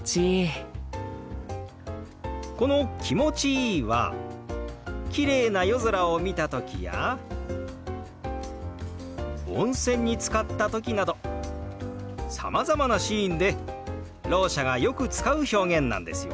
この「気持ちいい」はきれいな夜空を見た時や温泉につかった時などさまざまなシーンでろう者がよく使う表現なんですよ。